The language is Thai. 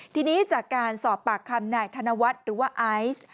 ทีนี้จากการสอบปากคำนายธนวัฒน์หรือว่าไอซ์